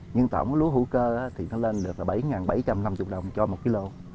nhưng tổng lúa hữu cơ thì nó lên được là bảy bảy trăm năm mươi đồng cho một kg